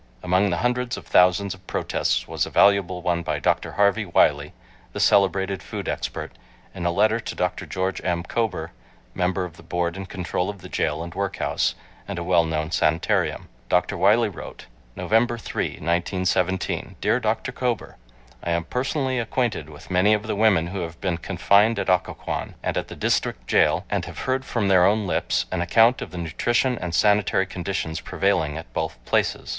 Among the hundreds of thousands of protests was a valuable one by Dr. Harvey Wiley, the celebrated food expert, in a letter to Dr. George M. Kober, member of the Board in control of the jail and workhouse, and a well known sanitarium. Dr. Wiley wrote: November 3, 1917. Dear Dr. Kober: I am personally acquainted with many of the women who have been confined at Occoquan, and at the District jail, and have heard from their own lips an account of the nutrition and sanitary conditions prevailing at both places.